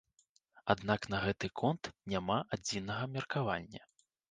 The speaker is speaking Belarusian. Аднак на гэты конт няма адзінага меркавання.